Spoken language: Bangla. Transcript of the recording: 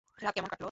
রাত কেমন কাটলো?